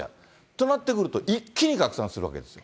となってくると、一気に拡散するわけですよ。